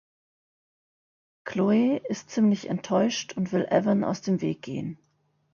Chloe ist ziemlich enttäuscht und will Evan aus dem Weg gehen.